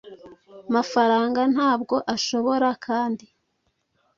mafaranga ntabwo ashobora kandi